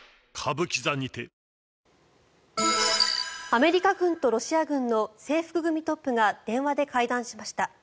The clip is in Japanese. アメリカ軍とロシア軍の制服組トップが電話で会談しました。